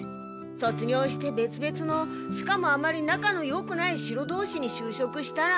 卒業してべつべつのしかもあまり仲のよくない城どうしに就職したら。